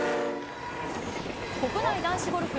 国内男子ゴルフ。